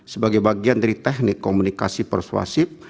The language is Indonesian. sebagai bagian dari teknik komunikasi persuasif